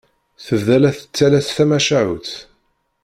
Tebda la d-tettales tamacahut.